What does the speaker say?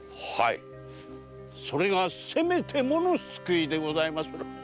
それがせめてもの救いでございまする。